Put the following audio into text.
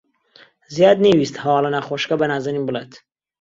زیاد نەیویست هەواڵە ناخۆشەکە بە نازەنین بڵێت.